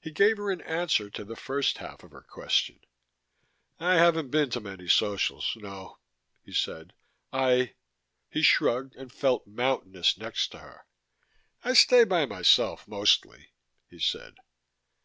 He gave her an answer to the first half of her question. "I haven't been to many Socials, no," he said. "I " He shrugged and felt mountainous next to her. "I stay by myself, mostly," he said.